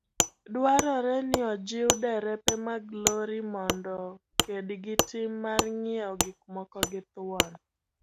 Dwaroreniojiwderepemaglorimondookedgitim marng'iewogikmokogithuon.